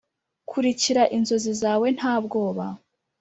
kurikira inzozi zawe nta bwoba.